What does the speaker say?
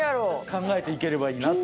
考えていければいいなと。